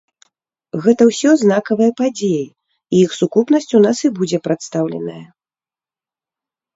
Гэта ўсё знакавыя падзеі і іх сукупнасць у нас і будзе прадстаўленая.